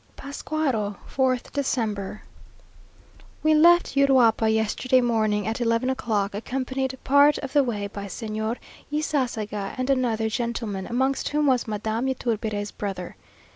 PASCUARO, 4th December. We left Uruapa yesterday morning at eleven o'clock, accompanied part of the way by Señor Ysasaga and another gentleman, amongst whom was Madame Yturbide's brother.